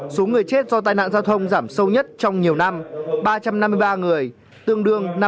số người chết do tai nạn giao thông giảm sâu nhất trong nhiều năm ba trăm năm mươi ba người tương đương năm mươi